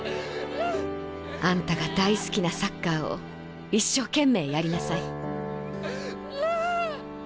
あんたが大好きなサッカーを一生懸命やりなさい」。